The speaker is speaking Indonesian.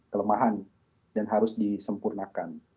kelemahan dan harus disempurnakan